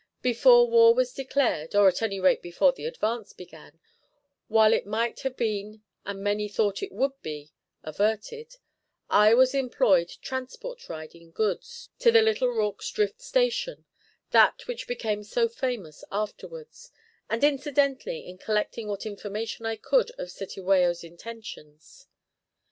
Before war was declared, or at any rate before the advance began, while it might have been and many thought it would be averted, I was employed transport riding goods to the little Rorke's Drift station, that which became so famous afterwards, and incidentally in collecting what information I could of Cetewayo's intentions.